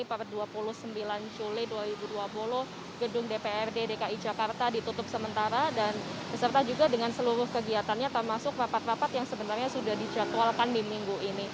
pada dua puluh sembilan juli dua ribu dua puluh gedung dprd dki jakarta ditutup sementara dan beserta juga dengan seluruh kegiatannya termasuk rapat rapat yang sebenarnya sudah dijadwalkan di minggu ini